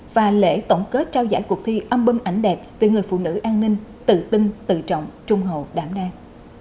và lễ tổng kết trao giải cuộc thi album ảnh đẹp về người phụ nữ an ninh tự tin tự trọng trung hậu đảm đang